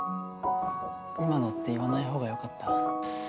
今のって言わないほうがよかった？